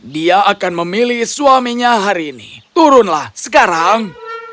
dia akan memilih suaminya hari ini turunlah sekarang